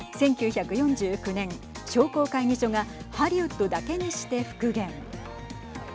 １９４９年商工会議所がハリウッドだけにして復元。